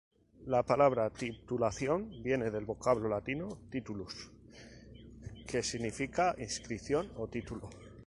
La palabra "titulación" viene del vocablo latino "titulus", que significa inscripción o título.